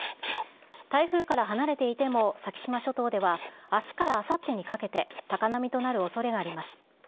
台風から離れていても、先島諸島ではあすからあさってにかけて、高波となるおそれがあります。